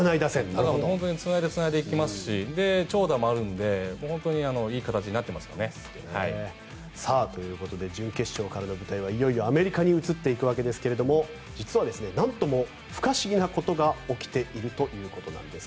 本当につないでいきますし長打もあるのでいい形になってますね。ということで準決勝からの舞台はいよいよアメリカに移っていくわけですが実はなんとも不可思議なことが起きているということです。